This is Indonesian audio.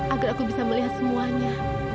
agar aku bisa melihat semuanya